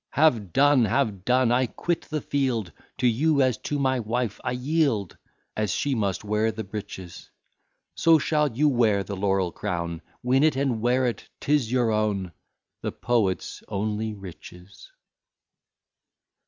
Have done! have done! I quit the field, To you as to my wife, I yield: As she must wear the breeches: So shall you wear the laurel crown, Win it and wear it, 'tis your own; The poet's only riches.